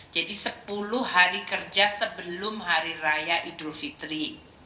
jadi sepuluh hari kerja sebelum hari raya idul fitri